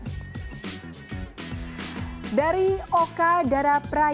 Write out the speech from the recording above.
dek tutup tupperware kemana ya dengan hashtag sby